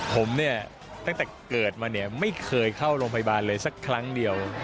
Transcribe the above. ผมเนี่ยตั้งแต่เกิดมาเนี่ยไม่เคยเข้าโรงพยาบาลเลยสักครั้งเดียว